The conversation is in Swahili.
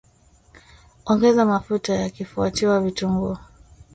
Ongeza mafuta yakifuatiwa vitunguu